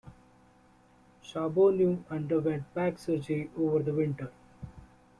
Charboneau underwent back surgery over the winter.